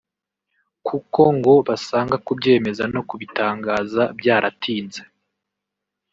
kuko ngo basanga kubyemeza no kubitangaza byaratinze